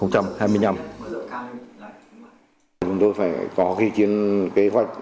chúng tôi phải có cái kế hoạch